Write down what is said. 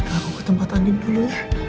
aku ke tempat anin dulu